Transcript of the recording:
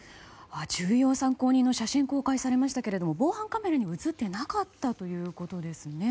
重要参考人の写真が公開されましたが防犯カメラには映っていなかったということですね。